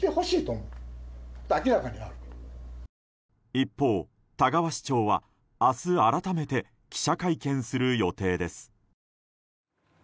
一方、田川市長は明日改めて記者会見する予定です。